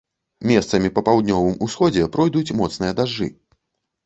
Месцамі па паўднёвым усходзе пройдуць моцныя дажджы.